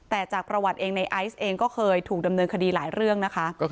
แต่จากประวัติเองในไอซ์เองก็เคยถูกดำเนินคดีหลายเรื่องนะคะ